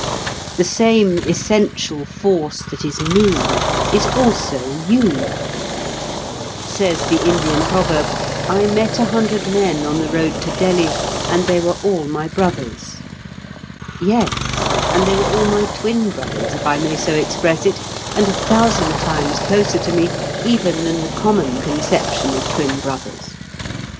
The same essential force that is me is also you. Says the Indian proverb: "I met a hundred men on the road to Delhi, and they were all my brothers." Yes, and they were all my twin brothers, if I may so express it, and a thousand times closer to me even than the common conception of twin brothers.